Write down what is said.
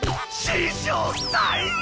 師匠最高！